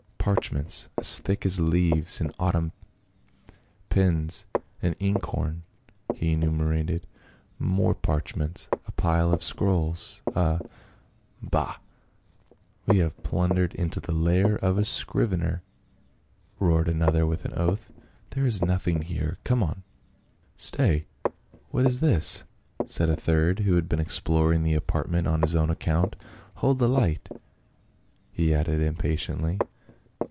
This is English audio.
" Parchments as thick as leaves in Autumn, pens, an inkhorn," he enumerated, " more parchments, a pile of scrolls, a —"" Bah ! We have blundered into the lair of a scrivener," roared another with an oath. "There is nothing here ; come on !" INTERREGNUM. 205 "Stay, what is this?" said a third, who had been exploring the apartment on his own account. " Hold the light !" he added impatiently.